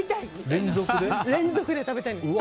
連続で食べたいんです。